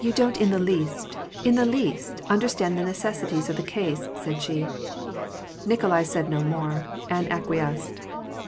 247 '' Yon don't in the least, in the least, understand the neces sities of the case/' said she. Nikolai said no more, and acqui esced.